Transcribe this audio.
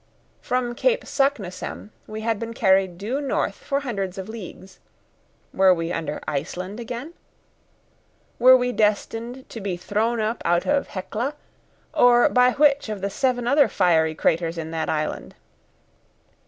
From Cape Saknussemm we had been carried due north for hundreds of leagues. Were we under Iceland again? Were we destined to be thrown up out of Hecla, or by which of the seven other fiery craters in that island?